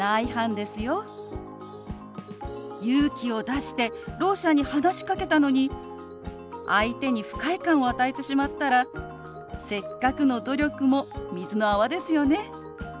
勇気を出してろう者に話しかけたのに相手に不快感を与えてしまったらせっかくの努力も水の泡ですよね。